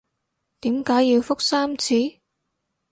點解要覆三次？